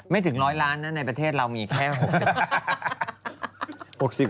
ไม่ถึงร้อยล้านนะในประเทศเรามีแค่๖๐กว่าร้าน